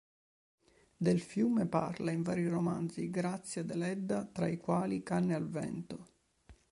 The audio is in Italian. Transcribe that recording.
Del fiume parla in vari romanzi Grazia Deledda tra i quali "Canne al vento".